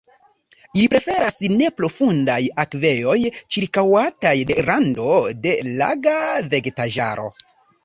Ili preferas neprofundaj akvejoj ĉirkaŭataj de rando de laga vegetaĵaro.